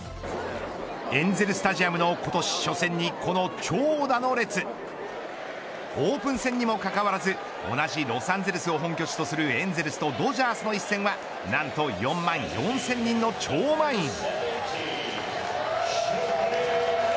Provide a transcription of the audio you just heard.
エンゼルスタジアムの今年初戦にこの長蛇の列オープン戦にもかかわらず同じロサンゼルスを本拠地とするエンゼルスとドジャースの一戦は何と４万４０００人の超満員。